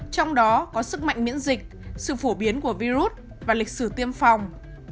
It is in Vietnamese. trong đó có sức mạnh miễn dịch sự phổ biến của virus và lịch sử tiêm phòng